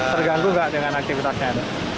terganggu nggak dengan aktivitasnya